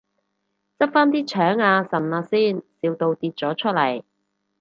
執返啲腸啊腎啊先，笑到跌咗出嚟